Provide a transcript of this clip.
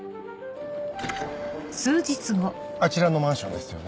あちらのマンションですよね？